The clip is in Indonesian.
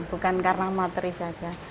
bukan karena materi saja